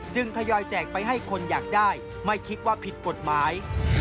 ทยอยแจกไปให้คนอยากได้ไม่คิดว่าผิดกฎหมาย